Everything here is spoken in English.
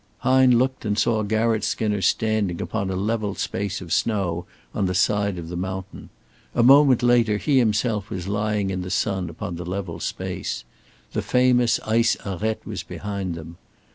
Hine looked and saw Garratt Skinner standing upon a level space of snow in the side of the mountain. A moment later he himself was lying in the sun upon the level space. The famous ice arête was behind them.